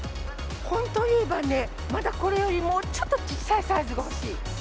本当言えばね、まだこれよりもうちょっと小さいサイズが欲しい。